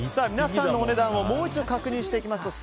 皆さんのお値段をもう一度確認します。